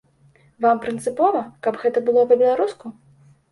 Вам прынцыпова, каб гэта было па-беларуску?